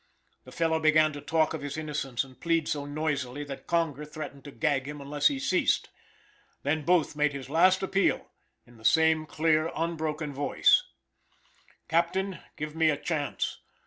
The fellow began to talk of his innocence and plead so noisily that Conger threatened to gag him unless he ceased. Then Booth made his last appeal, in the same clear unbroken voice: "Captain, give me a chance.